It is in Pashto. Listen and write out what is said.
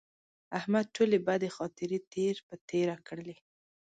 احمد ټولې بدې خاطرې تېر په تېره کړلې.